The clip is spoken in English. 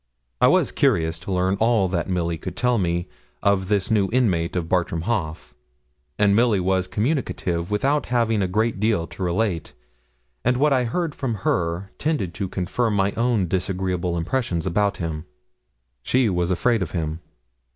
I was curious to learn all that Milly could tell me of this new inmate of Bartram Haugh; and Milly was communicative without having a great deal to relate, and what I heard from her tended to confirm my own disagreeable impressions about him. She was afraid of him.